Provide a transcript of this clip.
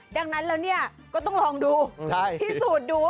ดังนั้นแล้วก็ต้องลองดู